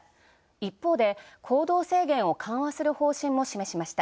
一方で行動制限を緩和する方針も示しました。